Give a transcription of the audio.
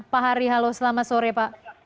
pak hari halo selamat sore pak